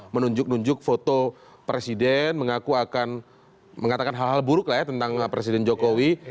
menunjuk nunjuk foto presiden mengaku akan mengatakan hal hal buruk lah ya tentang presiden jokowi